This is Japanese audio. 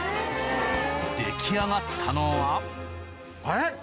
出来上がったのはあれ？